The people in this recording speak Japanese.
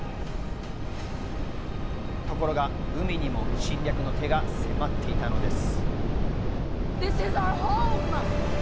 ところが海にも侵略の手が迫っていたのです。